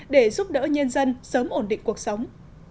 để giúp đỡ nhân dân sớm ổn định cuộc sống